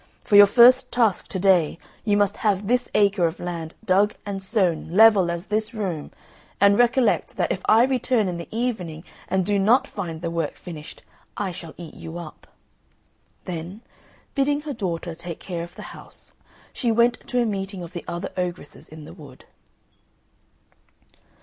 For your first task to day you must have this acre of land dug and sown level as this room; and recollect that if I return in the evening and do not find the work finished, I shall eat you up." Then, bidding her daughter take care of the house, she went to a meeting of the other ogresses in the wood.